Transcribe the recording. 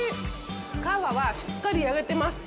皮はしっかり焼けてます。